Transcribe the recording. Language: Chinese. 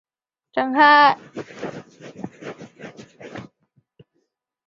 动画故事围绕着男主角冈崎朋也遇到比他年长一岁的古河渚之后发生的故事展开。